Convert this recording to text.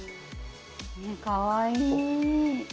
かわいい。